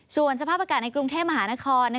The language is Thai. ส่วนสภาพอากาศในกรุงเทพมหานคร